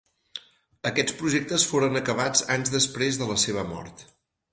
Aquests projectes foren acabats anys després de la seva mort.